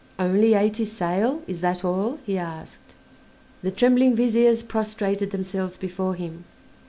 "Only eighty sail; is that all?" he asked. The trembling Viziers prostrated themselves before him.